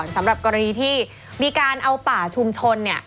สำหรับกรณีที่มีการเอาป่าชุมชนเนี่ย